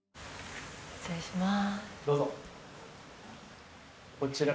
失礼します